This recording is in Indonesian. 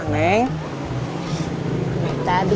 neng duduk dulu